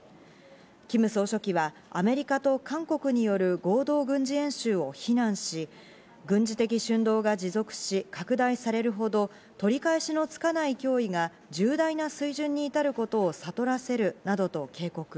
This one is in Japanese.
キム総書記はアメリカと韓国による合同軍事演習を非難し、軍事的蠢動が持続し、拡大されるほど取り返しのつかない脅威が重大な水準に至ることを悟らせるなどと警告。